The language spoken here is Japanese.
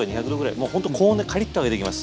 もうほんと高温でカリッと揚げていきます。